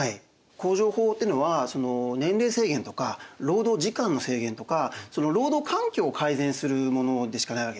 工場法っていうのは年齢制限とか労働時間の制限とか労働環境を改善するものでしかないわけですね。